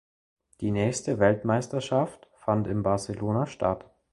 Die nächste Weltmeisterschaft fand in Barcelona statt.